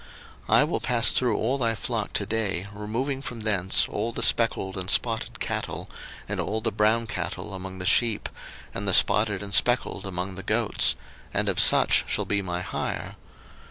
01:030:032 I will pass through all thy flock to day, removing from thence all the speckled and spotted cattle, and all the brown cattle among the sheep, and the spotted and speckled among the goats: and of such shall be my hire.